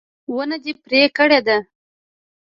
ونه دې پرې کړې ده